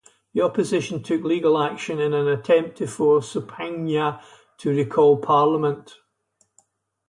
The opposition took legal action in an attempt to force Sopoanga to recall parliament.